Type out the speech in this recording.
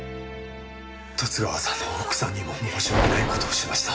十津川さんの奥さんにも申し訳ない事をしました。